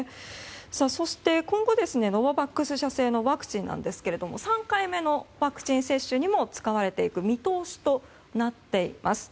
そして、今後ノババックス社製のワクチンなんですけれども３回目のワクチン接種にも使われていく見通しとなっています。